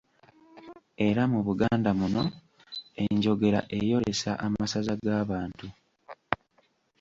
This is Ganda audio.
Era mu Buganda muno enjogera eyolesa amasaza g'abantu.